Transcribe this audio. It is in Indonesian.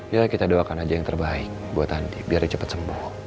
ya kita doakan aja yang terbaik buat andi biar cepat sembuh